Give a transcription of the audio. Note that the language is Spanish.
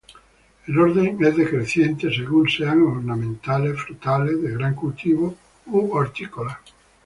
El orden es decreciente según sean ornamentales, frutales, de gran cultivo u hortícolas.